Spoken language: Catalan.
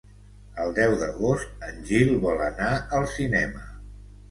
El deu d'agost en Gil vol anar al cinema.